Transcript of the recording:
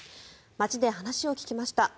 街で話を聞きました。